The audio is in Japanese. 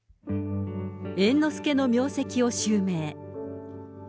猿之助の名跡を襲名。